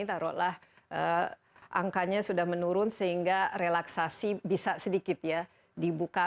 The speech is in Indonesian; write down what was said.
taruhlah angkanya sudah menurun sehingga relaksasi bisa sedikit ya dibuka